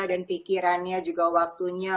dan pikirannya juga waktunya